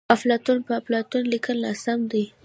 افلاطون په اپلاتون لیکل ناسم ندي.